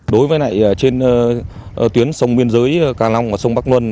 đối với này trên tuyến sông miên giới cà long và sông bắc luân